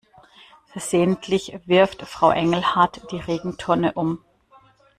Versehentlich wirft Frau Engelhart die Regentonne um.